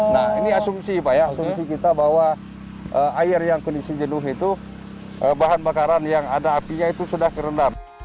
nah ini asumsi pak ya asumsi kita bahwa air yang kondisi jenuh itu bahan bakaran yang ada apinya itu sudah kerendam